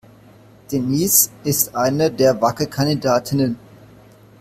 Denise ist eine der Wackelkandidatinnen.